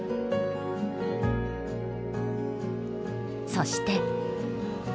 そして。